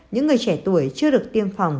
những người trẻ tuổi chưa được tiêm phòng